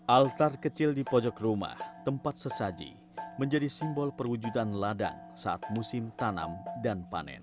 altar kecil di pojok rumah tempat sesaji menjadi simbol perwujudan ladang saat musim tanam dan panen